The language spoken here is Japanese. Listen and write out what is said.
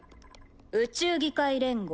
宇宙議会連合。